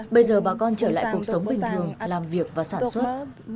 bây giờ bà con trở lại cuộc sống bình thường làm việc và sản xuất